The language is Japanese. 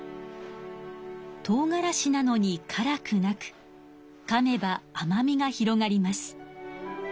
とうがらしなのにからくなくかめばあまみが広がります。